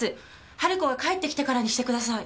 ハル子が帰ってきてからにしてください。